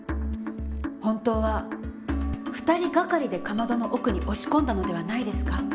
本当は２人がかりでかまどの奥に押し込んだのではないですか？